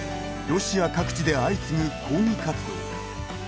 ロシア各地で相次ぐ抗議活動。